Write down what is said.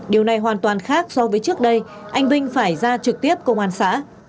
điều này hoàn toàn khác so với trước đây anh vinh phải ra trực tiếp công an xã